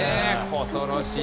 恐ろしい。